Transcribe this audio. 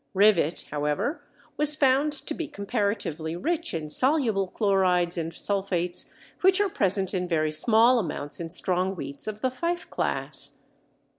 Rivet, however, was found to be comparatively rich in soluble chlorides and sulphates, which are present in very small amounts in strong wheats of the Fife class.